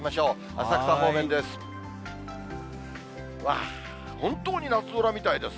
浅草方面です。